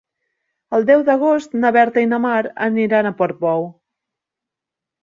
El deu d'agost na Berta i na Mar aniran a Portbou.